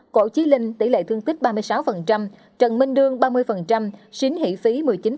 cổ trí linh tỷ lệ thương tích ba mươi sáu trần minh đương ba mươi xín hỷ phí một mươi chín